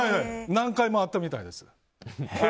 何回もあったみたいです。